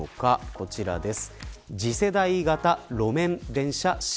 こちらです。